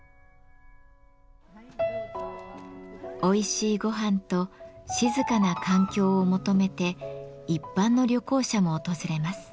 おいしいごはんと静かな環境を求めて一般の旅行者も訪れます。